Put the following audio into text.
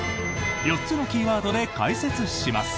４つのキーワードで解説します。